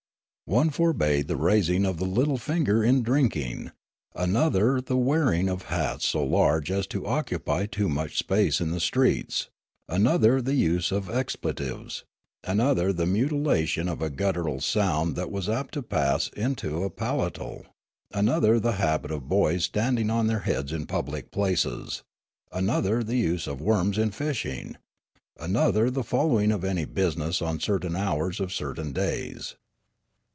One forbade the raising of the little finger in drinking, an other the wearing of hats so large as to occupy too much space in the streets, another the use of expletives, Meddla 197 another the mutilation of a guttural sound that was apt to pass into a palatal, another the habit of bo5'S stand ing on their heads in public places, another the use of worms in fishing, another the following of any business on certain hours of certain days.